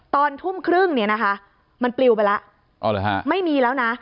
ตอนทุ่มครึ่งเนี่ยนะคะมันปลิวไปแล้วไม่มีแล้วนะ